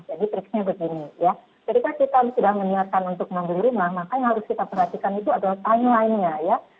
jadi triknya begini ya ketika kita sudah menyiapkan untuk membeli rumah maka yang harus kita perhatikan itu adalah timeline nya ya